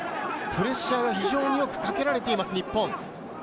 プレッシャーが非常によくかけられています、日本。